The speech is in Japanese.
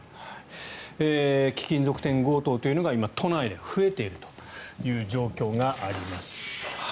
貴金属店強盗というのが今、都内で増えているという状況があります。